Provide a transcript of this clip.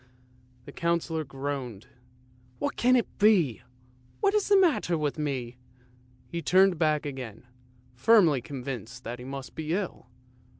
" the Councillor groaned. " What can it be? What is the matter with me? " He turned back again, firmly convinced that he must be ill.